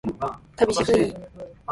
旅路がいい